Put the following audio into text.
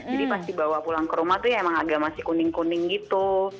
jadi pas dibawa pulang ke rumah itu emang agak masih kuning kuning gitu